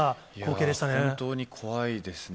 いやー、本当に怖いですね。